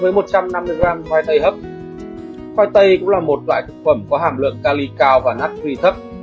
với một trăm năm mươi g khoai tây hấp khoai tây cũng là một loại thực phẩm có hàm lượng cali cao và natri thấp